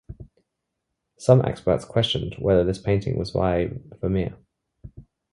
Some experts questioned whether this painting was by Vermeer.